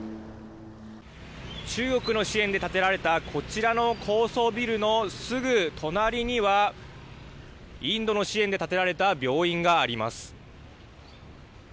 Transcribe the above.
中国の支援で建てられたこちらの高層ビルのすぐ隣には、インドの支援で建てられた病院があります。